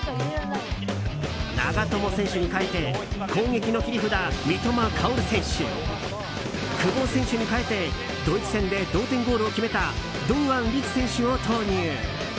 長友選手に代えて攻撃の切り札、三笘薫選手久保選手に代えてドイツ戦で同点ゴールを決めた堂安律選手を投入。